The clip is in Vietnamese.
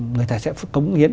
người ta sẽ cống hiến